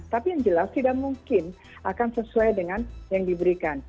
tapi yang jelas tidak mungkin akan sesuai dengan yang diberikan